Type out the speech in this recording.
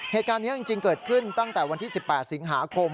เหตุการณ์นี้จริงเกิดขึ้นตั้งแต่วันที่๑๘สิงหาคม